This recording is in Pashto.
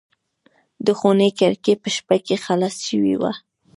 د خونې کړکۍ په شپه کې خلاصه شوې وه.